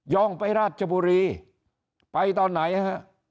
่องไปราชบุรีไปตอนไหนฮะ